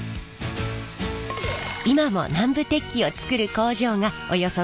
今も南部鉄器を作る工場がおよそ３０軒あります。